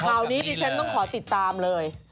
ข่าวนี้ดิฉันต้องขอติดตามเลย